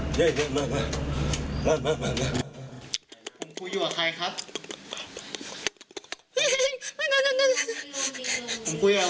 นี่เนี่ยจะพาไปหากุมารอีกตอนหนึ่ง